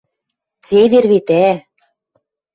Цевер вет, ӓ?